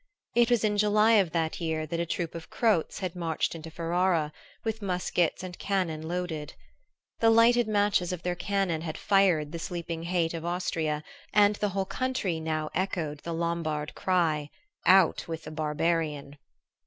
It was in July of that year that a troop of Croats had marched into Ferrara, with muskets and cannon loaded. The lighted matches of their cannon had fired the sleeping hate of Austria, and the whole country now echoed the Lombard cry: "Out with the barbarian!"